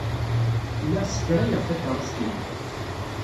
Lliɣ ssekrayeɣ takeṛṛust-inu.